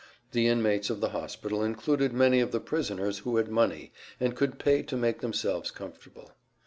The inmates of the hospital included many of the prisoners who had money, and could pay to make themselves comfortable.